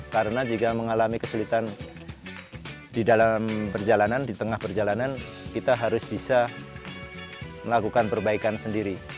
karena jika mengalami kesulitan di dalam perjalanan di tengah perjalanan kita harus bisa melakukan perbaikan sendiri